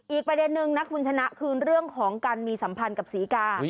อีกประเด็นนึงนะคุณชนะคือเรื่องของการมีสัมพันธ์กับศรีกา